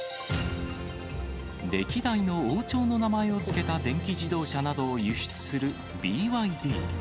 歴代の王朝の名前を付けた電気自動車などを輸出するＢＹＤ。